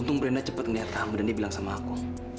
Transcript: untung brenda cepat ngelihat kamu dan dibilang sama aku